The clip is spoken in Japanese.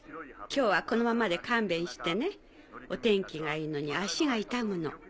今日はこのままで勘弁してねお天気がいいのに足が痛むの。